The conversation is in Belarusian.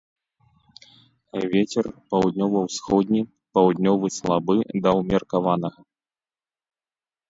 Вецер паўднёва-ўсходні, паўднёвы слабы да ўмеркаванага.